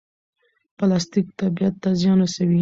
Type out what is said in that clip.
پلاستیک طبیعت ته زیان رسوي.